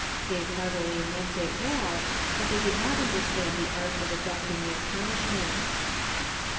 They heartily meant it well, but they did not understand the art of adjusting their punishments."